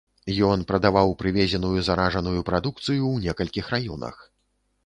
Ён прадаваў прывезеную заражаную прадукцыю ў некалькіх раёнах.